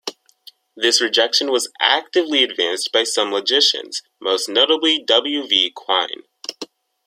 This rejection was actively advanced by some logicians, most notably W. V. Quine.